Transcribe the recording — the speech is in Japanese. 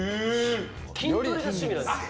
筋トレが趣味なんですよ。